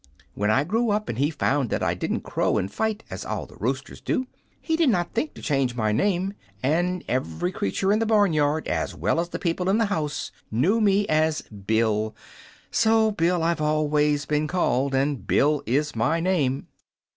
When I grew up, and he found that I didn't crow and fight, as all the roosters do, he did not think to change my name, and every creature in the barn yard, as well as the people in the house, knew me as 'Bill.' So Bill I've always been called, and Bill is my name."